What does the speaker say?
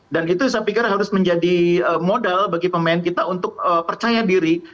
dan itu saya pikir harus menjadi modal bagi pemain kita untuk percaya diri